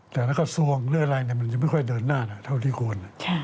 แต่ละกระทรวงหรืออะไรมันยังไม่ค่อยเดินหน้าเท่าที่ควร